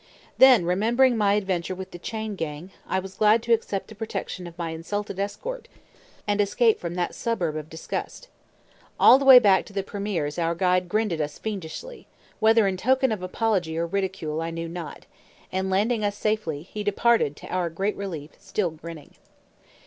Then, remembering my adventure with the chain gang, I was glad to accept the protection of my insulted escort, and escape from that suburb of disgust. All the way back to the premier's our guide grinned at us fiendishly, whether in token of apology or ridicule I knew not; and landing us safely, he departed to our great relief, still grinning.